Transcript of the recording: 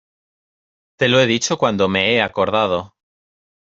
te lo he dicho cuando me he acordado.